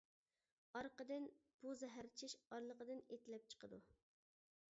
ئارقىدىن، بۇ زەھەر چىش ئارىلىقىدىن ئېتىلىپ چىقىدۇ.